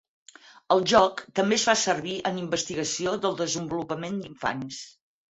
El joc també es fa servir en investigació del desenvolupament d'infants.